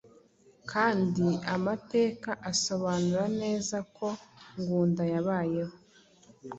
knd amateka asobanura neza ko ngunda yabayeho